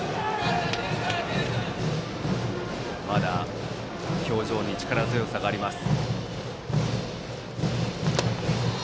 まだ表情に力強さがあります。